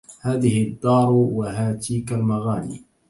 هذه الدار وهاتيك المغاني